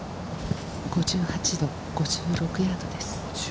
５８度、５６ヤードです。